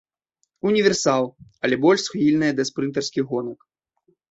Універсал, але больш схільная да спрынтарскіх гонак.